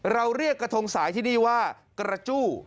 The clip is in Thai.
เราเรียกกระทงสายที่นี่ว่ากระจู้